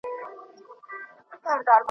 هندوستان ته ولاړ شي